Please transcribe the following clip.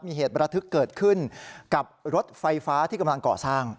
มีเหตุประทึกเกิดขึ้นกับรถไฟฟ้าที่กำลังก่อสร้าง